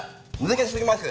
難しすぎます！